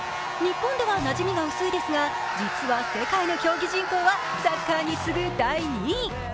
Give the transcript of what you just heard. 日本ではなじみが薄いですが、実は世界の競技人口はサッカーに次ぐ第２位。